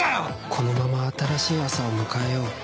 このまま新しい朝を迎えよう。